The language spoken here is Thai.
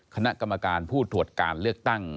คณะกรรมการผู้ตรวจการเลือกตั้ง